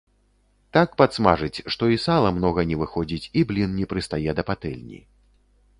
Так падсмажыць, што і сала многа не выходзіць і блін не прыстае да патэльні.